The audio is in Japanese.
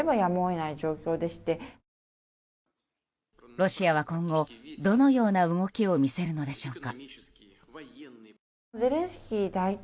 ロシアは、今後どのような動きを見せるのでしょうか。